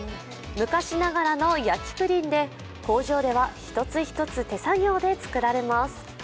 昔ながらの焼プリンで工場では一つ一つ手作業で作られます。